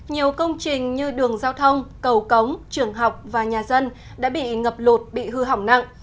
nhiều công trình như đường giao thông cầu cống trường học và nhà dân đã bị ngập lụt bị hư hỏng nặng